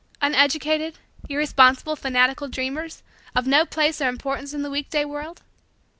Uneducated, irresponsible, fanatical dreamers of no place or importance in the week day world?